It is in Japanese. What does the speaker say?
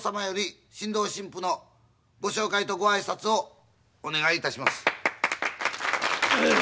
より新郎新婦のご紹介とご挨拶をお願いいたします。